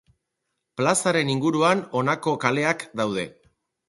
Plazaren inguruan honako kaleak daude.